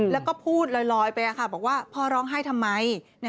แล้วก็พูดลอยไปบอกว่าพ่อร้องไห้ทำไม